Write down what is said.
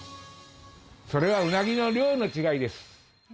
それはウナギの量の違いです。